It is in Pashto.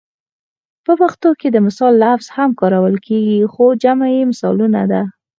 په پښتو کې د مثال لفظ هم کارول کیږي خو جمع یې مثالونه ده